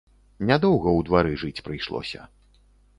Нядоўга ў двары жыць прыйшлося.